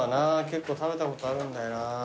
結構食べたことあるんだよな。